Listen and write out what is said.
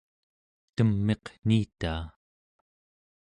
tem'iq niitaa